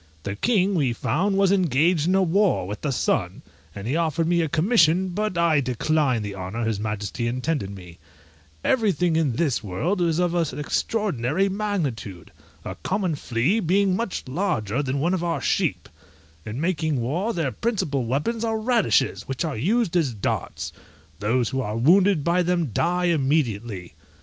The king, we found, was engaged in a war with the sun, and he offered me a commission, but I declined the honour his majesty intended me. Everything in this world is of extraordinary magnitude! a common flea being much larger than one of our sheep: in making war, their principal weapons are radishes, which are used as darts: those who are wounded by them die immediately.